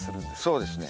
そうですね。